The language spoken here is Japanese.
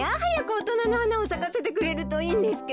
おとなのはなをさかせてくれるといいんですけど。